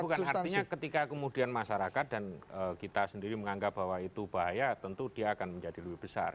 bukan artinya ketika kemudian masyarakat dan kita sendiri menganggap bahwa itu bahaya tentu dia akan menjadi lebih besar